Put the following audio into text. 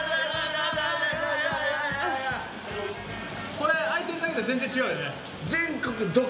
これ開いてるだけで全然違うよね。